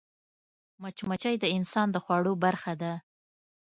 مچمچۍ د انسان د خوړو برخه ده